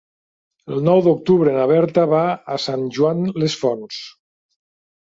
El nou d'octubre na Berta va a Sant Joan les Fonts.